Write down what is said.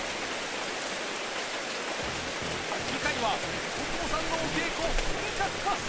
次回は大久保さんのお稽古本格化。